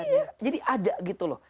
iya jadi ada gitu loh